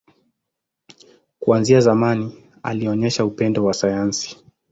Kuanzia zamani, alionyesha upendo wa sayansi.